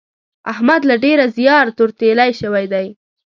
احمد له ډېره زیاره تور تېيلی شوی دی.